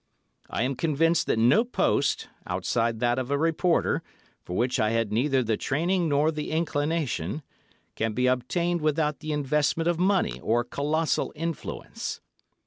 I am convinced that no post, outside that of a reporter, for which I had neither the training nor the inclination, can be obtained without the investment of money or colossal influence.